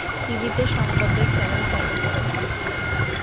টিভিতে সংবাদের চ্যানেল চালু করো।